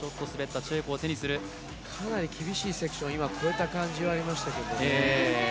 かなり難しいセクションを越えた感じはありましたけど。